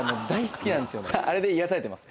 あれで癒やされてます。